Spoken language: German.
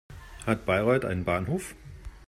Hat Bayreuth einen Bahnhof?